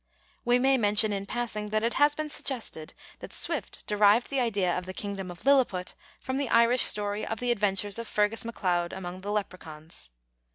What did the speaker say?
We may mention, in passing, that it has been suggested that Swift derived the idea of the kingdom of Lilliput from the Irish story of the Adventures of Fergus macLeide amongst the leprechauns.